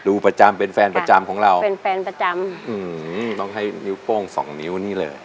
ประจำเป็นแฟนประจำของเราเป็นแฟนประจำอืมต้องให้นิ้วโป้งสองนิ้วนี่เลย